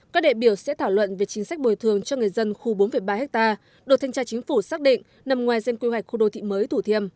các đại biểu sẽ thảo luận về chính sách bồi thường cho người dân khu bốn ba ha đột thanh tra chính phủ xác định nằm ngoài danh quy hoạch khu đô thị mới thủ thiêm